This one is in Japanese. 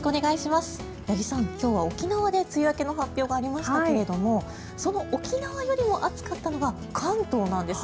八木さん、今日は沖縄で梅雨明けの発表がありましたがその沖縄よりも暑かったのが関東なんです。